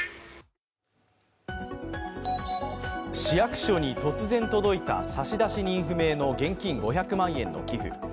市役所に突然届いた差出人不明の現金５００万円の寄付。